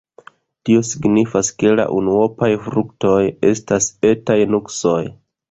Tio signifas, ke la unuopaj fruktoj estas etaj nuksoj.